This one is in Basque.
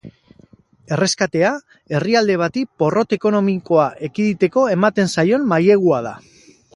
Erreskatea herrialde bati porrot ekonomikoa ekiditeko ematen zaion mailegua da.